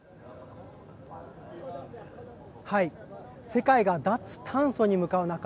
世界が脱炭素に向かう中